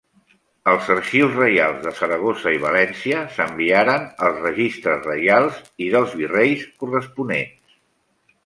Als arxius reials de Saragossa i València, s'enviaren els registres reials i dels virreis corresponents.